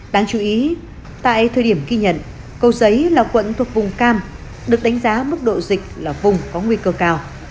đáng chú ý tại thời điểm ghi nhận cầu giấy là quận thuộc vùng cam được đánh giá mức độ dịch là vùng có nguy cơ cao